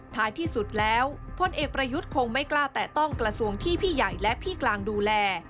ท้ายที่สุดแล้วพลเอกประยุทธ์คงไม่กล้าแตะต้องกระทรวงที่พี่ใหญ่และพี่กลางดูแล